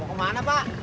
mau kemana pak